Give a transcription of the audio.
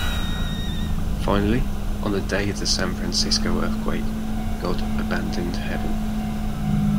Finally, on the day of the San Francisco earthquake, God abandoned Heaven.